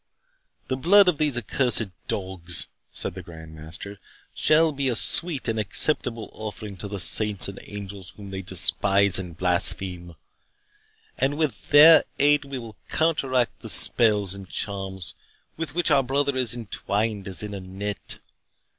"The blood of these accursed dogs," said the Grand Master, "shall be a sweet and acceptable offering to the saints and angels whom they despise and blaspheme; and with their aid will we counteract the spells and charms with which our brother is entwined as in a net.